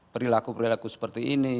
perilaku perilaku seperti ini